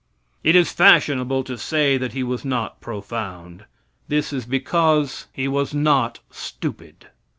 It is fashionable to say that he was not profound. This is because he was not stupid.